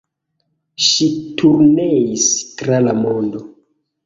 Ŝi turneis tra la mondo.